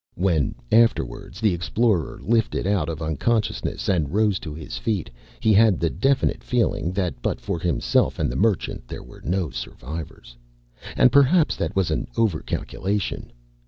When afterwards, the Explorer lifted out of unconsciousness and rose to his feet, he had the definite feeling that but for himself and the Merchant, there were no survivors. And perhaps that was an over calculation.